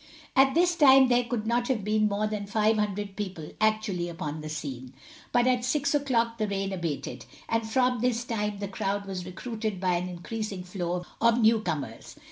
At this time there could not have been more than five hundred people actually upon the scene. But at six o'clock the rain abated, and from this time the crowd was recruited by an increasing flow of new comers.